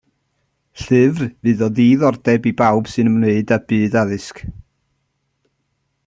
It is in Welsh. Llyfr fydd o ddiddordeb i bawb sy'n ymwneud â byd addysg.